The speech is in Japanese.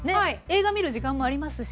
映画見る時間もありますし。